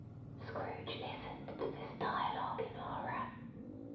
Scrooge listened to this dialogue in horror.